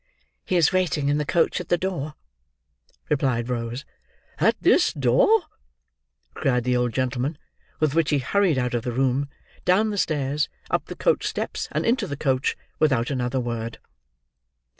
"He is waiting in a coach at the door," replied Rose. "At this door!" cried the old gentleman. With which he hurried out of the room, down the stairs, up the coachsteps, and into the coach, without another word.